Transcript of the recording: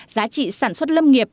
giá trị sản xuất lâm nghiệp